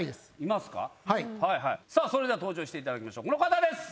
それでは登場していただきましょう！